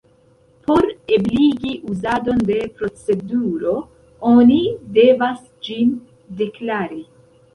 Por ebligi uzadon de proceduro oni devas ĝin "deklari".